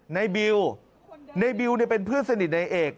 ในบิวในบิวเป็นเพื่อนสนิทในเอก